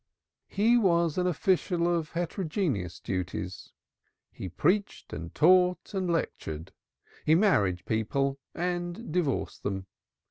He was an official of heterogeneous duties he preached and taught and lectured. He married people and divorced them.